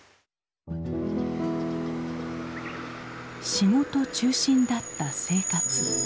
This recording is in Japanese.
仕事中心だった生活。